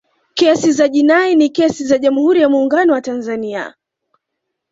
kesi za jinai ni kesi za jamhuri ya muungano wa tanzania